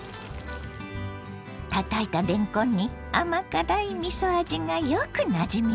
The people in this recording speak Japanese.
たたいたれんこんに甘辛いみそ味がよくなじみました。